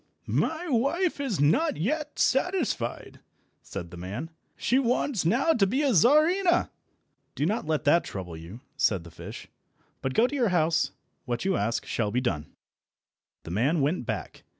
"My wife is not yet satisfied," said the man; "she wants now to be a Czarina." "Do not let that trouble you," said the fish, "but go to your house. What you ask shall be done." The man went back.